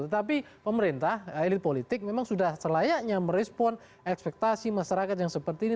tetapi pemerintah elit politik memang sudah selayaknya merespon ekspektasi masyarakat yang seperti ini